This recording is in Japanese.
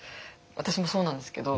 私もそうなんですけど。